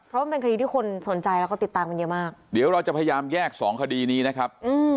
เพราะมันเป็นคดีที่คนสนใจแล้วก็ติดตามกันเยอะมากเดี๋ยวเราจะพยายามแยกสองคดีนี้นะครับ